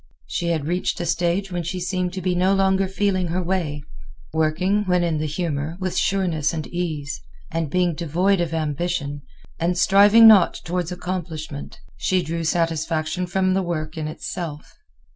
She had reached a stage when she seemed to be no longer feeling her way, working, when in the humor, with sureness and ease. And being devoid of ambition, and striving not toward accomplishment, she drew satisfaction from the work in itself.